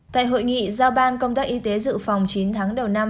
tại hội nghị giao ban công tác y tế dự phòng chín tháng đầu năm